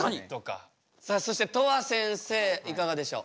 さあそしてとわせんせいいかがでしょう。